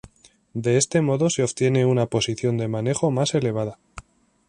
De este modo se obtiene una posición de manejo más elevada.